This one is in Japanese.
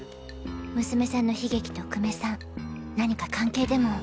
娘さんの悲劇と久米さん何か関係でも。